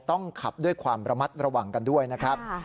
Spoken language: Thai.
ต้องขับด้วยความระมัดระวังกันด้วยนะครับ